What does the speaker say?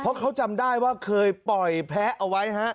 เพราะเขาจำได้ว่าเคยปล่อยแพ้เอาไว้ฮะ